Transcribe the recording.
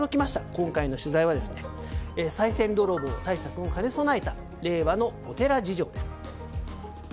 今回の取材はさい銭泥棒対策を兼ね備えた令和のお寺事情です。